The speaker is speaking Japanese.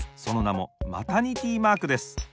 そのなもマタニティマークです。